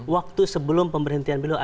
waktu sebelum pemerintian pks